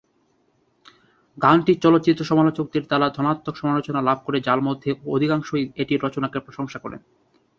গানটি চলচ্চিত্র সমালোচকদের দ্বারা ধনাত্মক সমালোচনা লাভ করে, যার মধ্যে অধিকাংশই এটির রচনাকে প্রশংসা করেন।